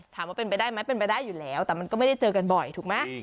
ถามว่าเป็นไปได้ไหมเป็นไปได้อยู่แล้วแต่มันก็ไม่ได้เจอกันบ่อยถูกไหม